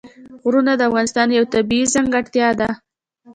غرونه د افغانستان یوه طبیعي ځانګړتیا ده.